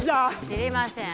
知りません。